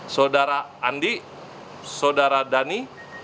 saudara andi saudara dhani